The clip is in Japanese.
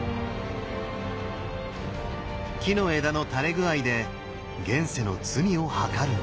木の枝の垂れ具合で現世の罪をはかるんです。